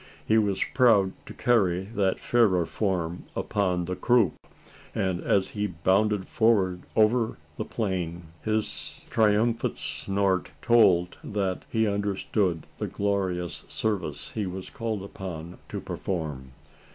He was proud to carry that fairer form upon the croup; and, as he bounded forward over the plain, his triumphant snort told, that he understood the glorious service he was called upon to perform.